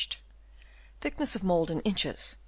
IV. Thickness of mould in inches.